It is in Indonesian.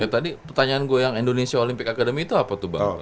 tadi pertanyaan gue yang indonesia olympic academy itu apa tuh bang